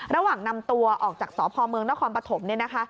ระหว่างนำตัวออกจากสพเมืองนครปฐม